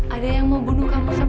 ada yang mau bunuh kamu sama manu